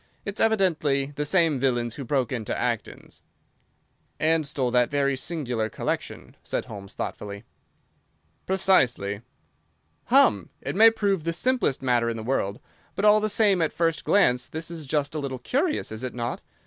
It's evidently the same villains who broke into Acton's." "And stole that very singular collection," said Holmes, thoughtfully. "Precisely." "Hum! It may prove the simplest matter in the world, but all the same at first glance this is just a little curious, is it not?